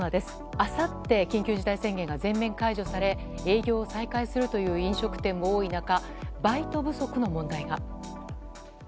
あさって、緊急事態宣言が全面解除され営業再開するという飲食店も多い中、バイト不足の問題が。